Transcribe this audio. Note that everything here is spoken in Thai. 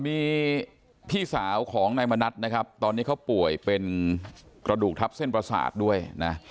มีพี่สาวของนายมณัฐนะครับตอนนี้เขาป่วยเป็นกระดูกทับเส้นประสาทด้วยนะ